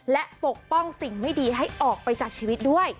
และปกป้องสิ่งไม่ดีให้ออกไปจากชีวิตด้วย